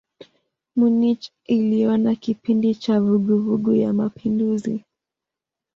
Munich iliona kipindi cha vuguvugu ya mapinduzi.